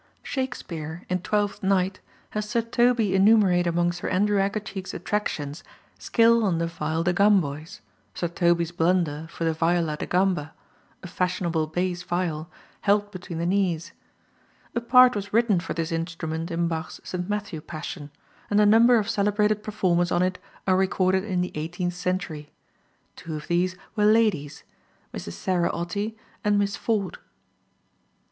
Shakespeare, in Twelfth Night, has Sir Toby enumerate among Sir Andrew Aguecheek's attractions skill on the viol de gamboys, Sir Toby's blunder for the viola da gamba, a fashionable bass viol held between the knees. A part was written for this instrument in Bach's St. Matthew Passion, and a number of celebrated performers on it are recorded in the eighteenth century. Two of these were ladies, Mrs. Sarah Ottey and Miss Ford.